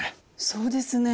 そうですね。